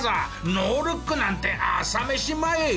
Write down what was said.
ノールックなんて朝飯前！